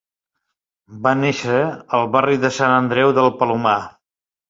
Va néixer al barri de Sant Andreu del Palomar.